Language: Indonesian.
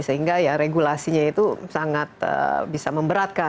sehingga ya regulasinya itu sangat bisa memberatkan